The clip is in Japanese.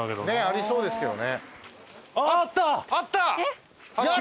ありそうですけどね。